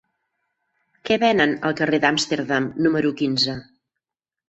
Què venen al carrer d'Amsterdam número quinze?